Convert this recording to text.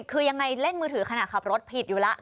คือยังไงเล่นมือถือขณะขับรถผิดอยู่แล้ว